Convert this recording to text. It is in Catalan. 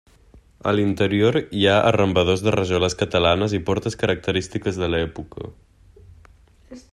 A l'interior hi ha arrambadors de rajoles catalanes i portes característiques de l'època.